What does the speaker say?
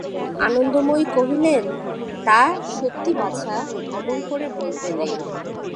আনন্দময়ী কহিলেন, তা সত্যি বাছা, অমন করে বলতে নেই।